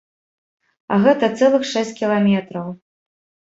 А гэта цэлых шэсць кіламетраў.